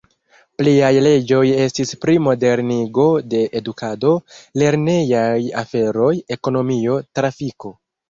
Pliaj leĝoj estis pri modernigo de edukado, lernejaj aferoj, ekonomio, trafiko.